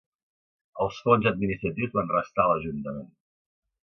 Els fons administratius van restar a l'Ajuntament.